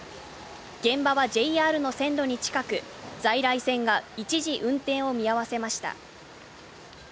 現場はＪＲの線路に近く、在来線が一時運転を見合わせました。